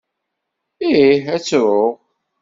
Ih, ad ttruɣ.